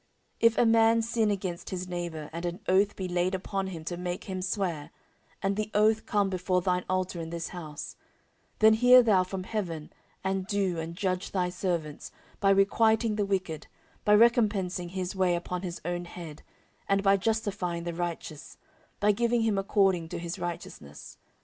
14:006:022 If a man sin against his neighbour, and an oath be laid upon him to make him swear, and the oath come before thine altar in this house; 14:006:023 Then hear thou from heaven, and do, and judge thy servants, by requiting the wicked, by recompensing his way upon his own head; and by justifying the righteous, by giving him according to his righteousness.